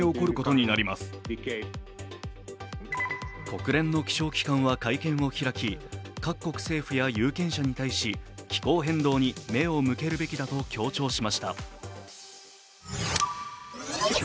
国連の気象機関は会見を開き各国政府や有権者に対し気候変動に目を向けるべきだと強調しました。